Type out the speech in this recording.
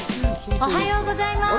おはようございます。